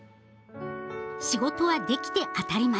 仕事はできて当たり前。